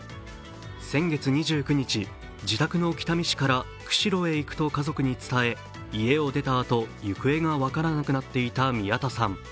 先月２９日、自宅の北見市から釧路へ行くと家族に伝え、家を出たあと、行方が分からなくなっていた宮田さん。